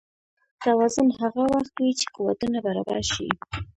توازن هغه وخت وي چې قوتونه برابر شي.